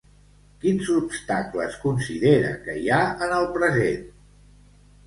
Quins obstacles considera que hi ha en el present?